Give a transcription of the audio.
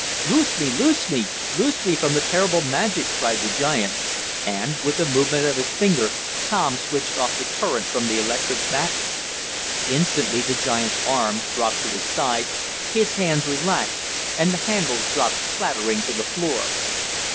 "Loose me! Loose me! Loose me from the terrible magic!" cried the giant, and, with a movement of his finger, Tom switched off the current from the electric battery. Instantly the giant's arms dropped to his side, his hands relaxed and the handles dropped clattering to the floor.